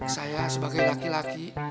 saya sebagai laki laki